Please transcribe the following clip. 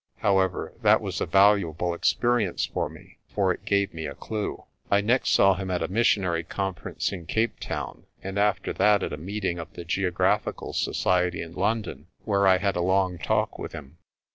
However, that was a valuable experience for me, for it gave me a clue. ARCOLL TELLS A TALE 99 "I next saw him at a Missionary Conference in Cape Town, and after that at a meeting of the Geographical Society in London, where I had a long talk with him.